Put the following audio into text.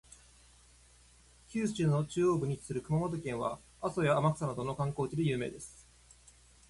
九州の中央部に位置する熊本県は、阿蘇や天草などの観光地で有名です。